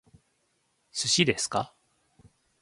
寿司ですか？